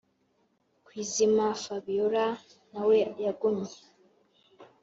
kwizima fabiora nawe yagumye